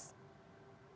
jadi memang terlalu banyak